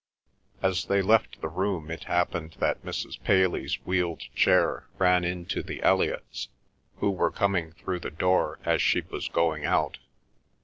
As they left the room it happened that Mrs. Paley's wheeled chair ran into the Elliots, who were coming through the door, as she was going out.